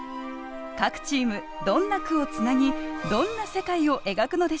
各チームどんな句をつなぎどんな世界を描くのでしょう。